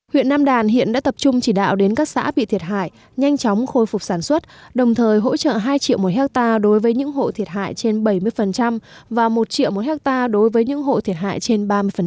huyện nam đàn hiện đã tập trung chỉ đạo đến các xã bị thiệt hại nhanh chóng khôi phục sản xuất đồng thời hỗ trợ hai triệu một hectare đối với những hộ thiệt hại trên bảy mươi và một triệu một hectare đối với những hộ thiệt hại trên ba mươi